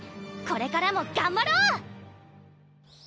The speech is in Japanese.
これからもがんばろう！